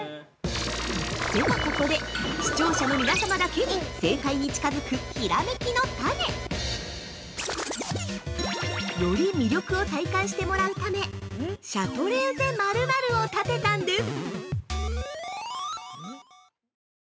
では、ここで視聴者の皆様だけに正解に近づく、ひらめきのタネ。より魅力を体感してもらうためシャトレーゼ○○を建てたんです。